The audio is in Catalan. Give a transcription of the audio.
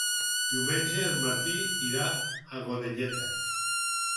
Diumenge en Martí irà a Godelleta.